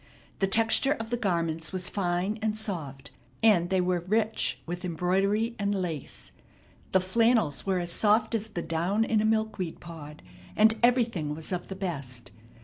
The texture of the garments was fine and soft, and they were rich with embroidery and lace. The flannels were as soft as the down in a milkweed pod, and everything was of the best.